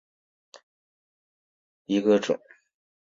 拉哈尔早熟禾为禾本科早熟禾属下的一个种。